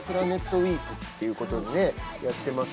ウィークっていうことでねやってますけども。